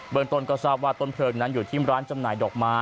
เมืองต้นก็ทราบว่าต้นเพลิงนั้นอยู่ที่ร้านจำหน่ายดอกไม้